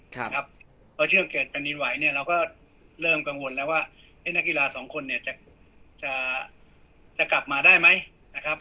เพราะเชื่อเกิดแผ่นดินไหวเนี่ยเราก็เริ่มกังวลแล้วว่านักกีฬาสองคนเนี่ยจะกลับมาได้ไหมนะครับ